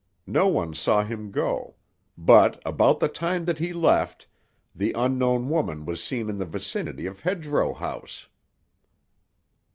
No one saw him go; but, about the time that he left, the unknown woman was seen in the vicinity of Hedgerow House."